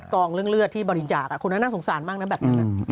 คนนาน่ะน่ะสงสารมากนะแบบนั้น